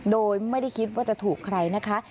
โดยไม่ได้คิดว่าจะถูกใครนะคะ